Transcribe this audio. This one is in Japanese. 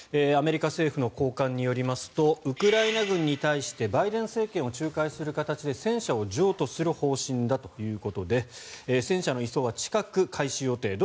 アメリカ政府の高官によりますとウクライナ軍に対してバイデン政権が仲介する形で戦車を譲渡する方針だということで戦車の移送は近く、開始予定。